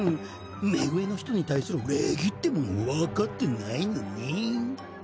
目上の人に対する礼儀ってものを分かってないのねん。